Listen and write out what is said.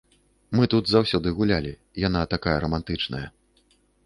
Мы тут заўсёды гулялі, яна такая рамантычная.